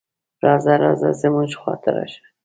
"راځه راځه زموږ خواته راشه".